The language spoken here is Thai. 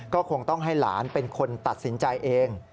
ก็คงต้องให้หลานเป็นคนตัดสินใจเอง